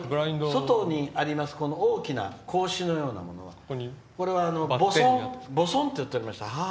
外にあります、大きな格子のようなものは母村といっておりました。